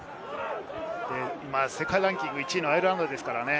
世界ランキング１位のアイルランドですからね。